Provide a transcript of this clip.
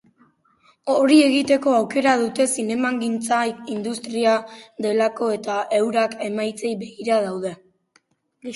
Hori egiteko aukera dute zinemagintza industria bat delako eta eurak emaitzei begira daude.